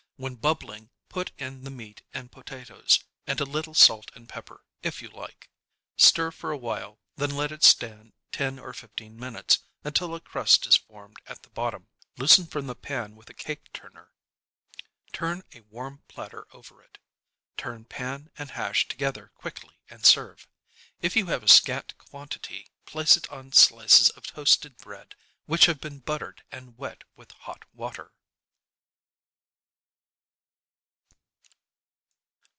When bubbling, put in the meat and potatoes, and a little salt and pepper, if you like. Stir for a while, then let it stand ten or fifteen minutes, until a crust is formed at the bottom. Loosen from the pan with a cake turner. Turn a warm platter over it. Turn pan and hash together quickly and serve. If you have a scant quantity, place it on slices of toasted bread, which have been buttered and wet with hot water.